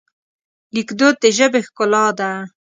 لیکدود د ژبې ښکلا ده.